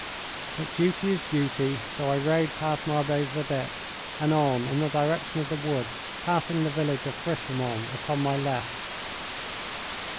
But duty is duty, so I rode past Marbot's vedettes and on in the direction of the wood, passing the village of Frishermont upon my left.